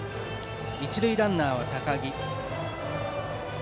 一塁ランナーは高木。